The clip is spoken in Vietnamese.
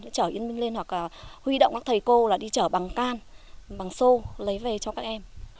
chở yên minh lên hoặc huy động các thầy cô là đi chở bằng can bằng xô lấy về cho các em